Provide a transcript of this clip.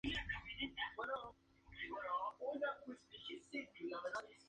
La asamblea tribal y la asamblea plebeya de la República se reunían aquí.